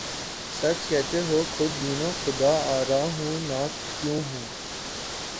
سچ کہتے ہو خودبین و خود آرا ہوں نہ کیوں ہوں